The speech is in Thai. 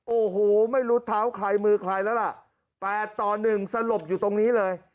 โอ้โหไม่รู้เท้าใครมือใครแล้วล่ะ๘ต่อ๑สลบอยู่ตรงนี้เลย